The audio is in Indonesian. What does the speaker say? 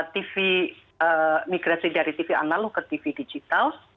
tv migrasi dari tv analog ke tv digital